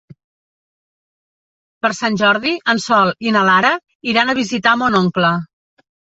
Per Sant Jordi en Sol i na Lara iran a visitar mon oncle.